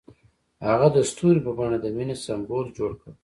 هغه د ستوري په بڼه د مینې سمبول جوړ کړ.